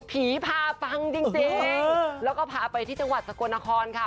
พาปังจริงแล้วก็พาไปที่จังหวัดสกลนครค่ะ